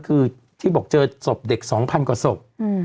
คือที่เจอศกเด็กสองพันกว่าศก